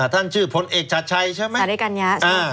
ท่านชื่อพลเอกชาติชัยใช่ไหมสวัสดีค่ะ